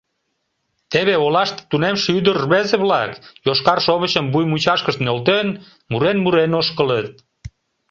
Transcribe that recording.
Теве олаште тунемше ӱдыр-рвезе-влак, йошкар шовычым вуй мучашкышт нӧлтен, мурен-мурен ошкылыт.